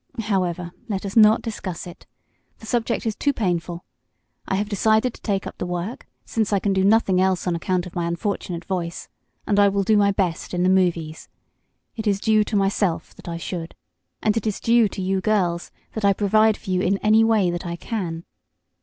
However, let us not discuss it. The subject is too painful. I have decided to take up the work, since I can do nothing else on account of my unfortunate voice and I will do my best in the movies. It is due to myself that I should, and it is due to you girls that I provide for you in any way that I can."